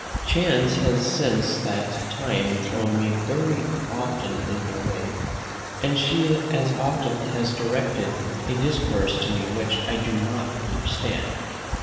Chance has since that time thrown me very often in her way, and she as often has directed a discourse to me which I do not understand.